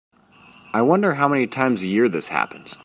I wonder how many times a year this happens.